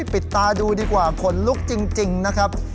ปิดตาดูดีกว่าขนลุกจริงนะครับ